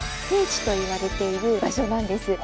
聖地といわれている場所なんです！